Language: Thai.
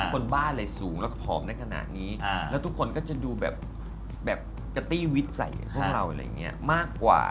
คนบ้านเลยสูงแล้วก็ผอมได้ขนาดนี้แล้วทุกคนก็จะดูแบบจะตี้วิทย์ใส่พวกเราอะไรอย่างนี้มากกว่า